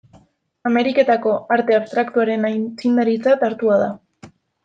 Ameriketako arte abstraktuaren aitzindaritzat hartua da.